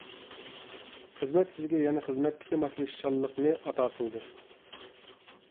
خىزمەت سىزگە يەنە خىزمەتتىكى ماسلىشىشچانلىقنى ئاتا قىلدى.